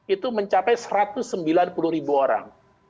itu mencapai satu ratus sembilan puluh ribu orang